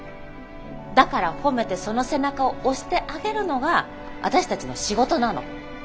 だから褒めてその背中を押してあげるのが私たちの仕事なの。